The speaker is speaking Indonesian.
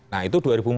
nah itu dua ribu empat